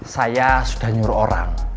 saya sudah nyuruh orang